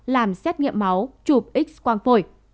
làm xét nghiệm máu chụp x quang phổi